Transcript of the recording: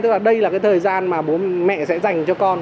tức là đây là cái thời gian mà bố mẹ sẽ dành cho con